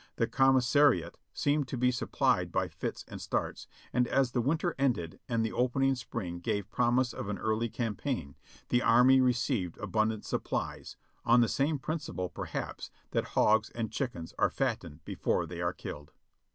The commissariat seemed to be supplied by fits and starts ; and as the winter ended and the opening spring gave promise of an early campaign, the army received abundant supplies, on the same principle, perhaps, that hogs and chickens are fattened before they are killed.